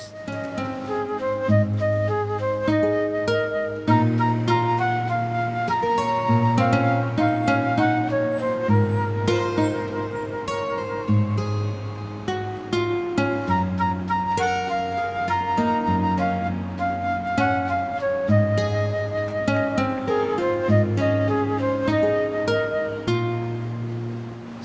sampai jumpa lagi